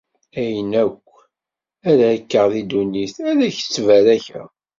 Ayen akk ara kkeɣ di ddunit, ad k-ttbarakeɣ.